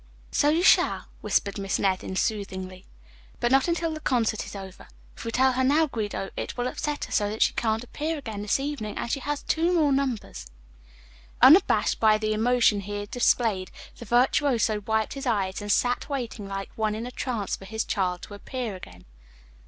"So you shall," whispered Miss Nevin soothingly, "but not until the concert is over. If we tell her now, Guido, it will upset her so that she can't appear again this evening, and she has two more numbers." Unabashed by the emotion he had displayed, the virtuoso wiped his eyes, and sat waiting like one in a trance for his child to appear again.